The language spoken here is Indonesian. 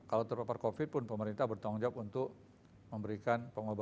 kalau terpapar covid pun pemerintah bertanggung jawab untuk memberikan pengobatan